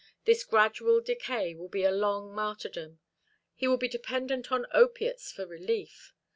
This gradual decay will be a long martyrdom. He will be dependent on opiates for relief.